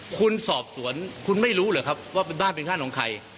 คุณสอบสวนคุณไม่รู้เหรอครับว่าเป็นบ้านเป็นบ้านของใคร